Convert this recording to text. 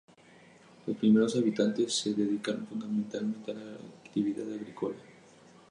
Los primeros habitantes se dedicaron fundamentalmente a la actividad agrícola.